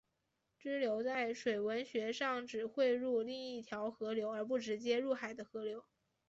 支流在水文学上指汇入另一条河流而不直接入海的河流。